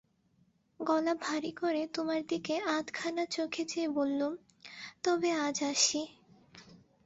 গলা ভারি করে তোমার দিকে আধখানা চোখে চেয়ে বললুম, তবে আজ আসি।